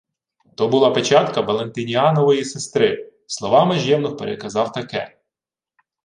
То була печатка Валентиніанової сестри. Словами ж євнух переказав таке: